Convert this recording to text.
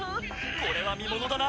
「これは見ものだな」